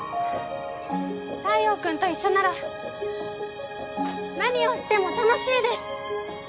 太陽君と一緒なら何をしても楽しいです！